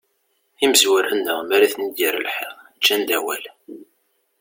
Imezwura-nneɣ mara ten-id-yerr lḥiḍ, ǧǧan-d awal.